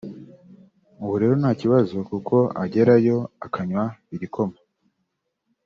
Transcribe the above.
ubu rero nta kibazo kuko agerayo akanywa igikoma